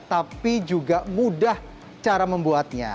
tapi juga mudah cara membuatnya